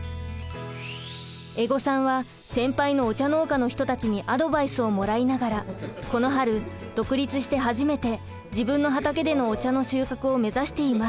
江籠さんは先輩のお茶農家の人たちにアドバイスをもらいながらこの春独立して初めて自分の畑でのお茶の収穫を目指しています。